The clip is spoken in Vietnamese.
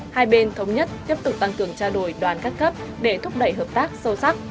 hai bên thống nhất tiếp tục tăng cường trao đổi đoàn các cấp để thúc đẩy hợp tác